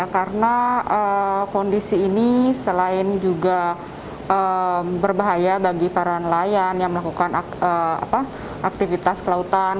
karena kondisi ini selain juga berbahaya bagi para nelayan yang melakukan aktivitas kelautan